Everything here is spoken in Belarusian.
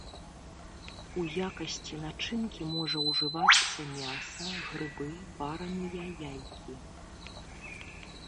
У якасці начынкі можа ўжывацца мяса, грыбы, вараныя яйкі.